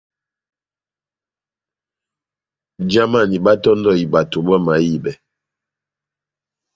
Jamani báhátɔ́ndɔhi bato bamahibɛ.